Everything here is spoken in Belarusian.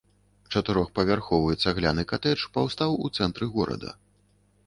Чатырохпавярховы цагляны катэдж паўстаў у цэнтры горада.